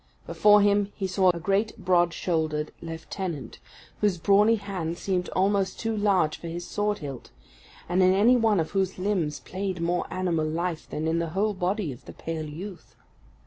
Before him he saw a great, broad shouldered lieutenant, whose brawny hand seemed almost too large for his sword hilt, and in any one of whose limbs played more animal life than in the whole body of the pale youth.